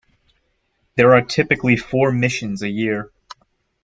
There are typically four missions a year.